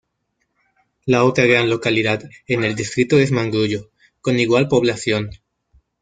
La otra gran localidad en el distrito es Mangrullo, con igual población.